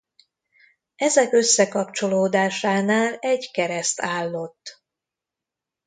Ezek összekapcsolódásánál egy kereszt állott.